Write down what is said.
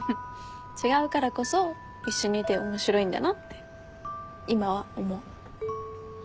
違うからこそ一緒にいて面白いんだなって今は思う。